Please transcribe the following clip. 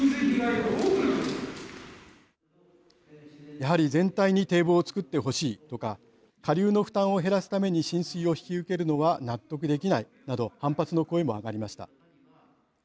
やはり全体に堤防を作ってほしいとか下流の負担を減らすために浸水を引き受けるのは納得できないなど反発の声も上がりました。